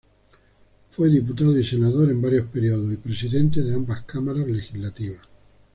Fue diputado y senador en varios períodos, y presidente de ambas cámaras legislativas.